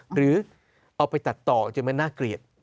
หรือเอาไปตัดต่อจึงไม่น่าเกลียด